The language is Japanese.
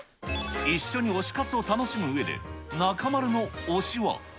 一緒に推し活を楽しむうえで中丸の推しは。